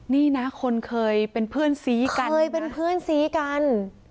นี่นะคนเคยเป็นเพื่อนสีกันเคยเป็นเพื่อนสีกัน